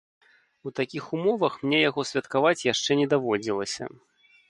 У такіх умовах мне яго святкаваць яшчэ не даводзілася.